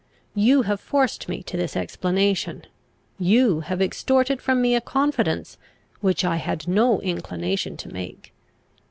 You have forced me to this explanation. You have extorted from me a confidence which I had no inclination to make.